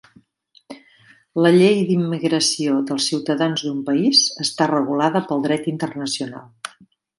La llei d'immigració dels ciutadans d'un país està regulada pel dret internacional.